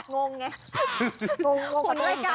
งงไง